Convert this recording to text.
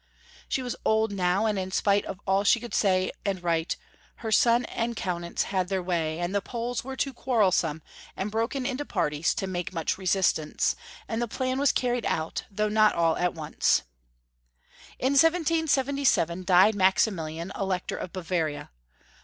She was old now, and, in spite of all she could say and write, her son and Kaunitz had their way, the Poles were too quarrelsome and broken into parties to make much resistance, and the plan was carried out, though not all at once. In 1777 died Maximilian, Elector of Bavaria.